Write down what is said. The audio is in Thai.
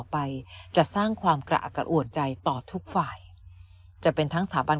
ไปจะสร้างความกระอักกระอ่วนใจต่อทุกฝ่ายจะเป็นทั้งสถาบัน